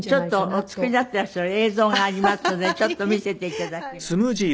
お作りになってらっしゃる映像がありますのでちょっと見せていただきます。